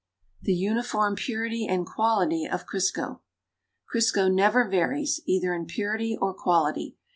THE UNIFORM PURITY AND QUALITY OF CRISCO Crisco never varies, either in purity or quality.